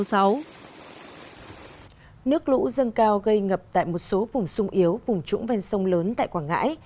nước lũ dâng cao gây ngập tại một số vùng sung yếu vùng trũng ven sông lớn tại quảng ngãi